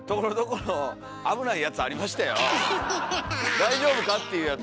大丈夫かっていうやつ。